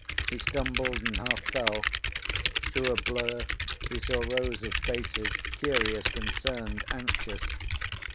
He stumbled and half fell. Through a blur he saw rows of faces, curious, concerned, anxious.